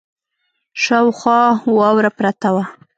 شاوخوا واوره پرته وه.